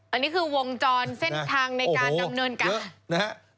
อันนี้คือวงจรเส้นทางในการดำเนินการนะครับ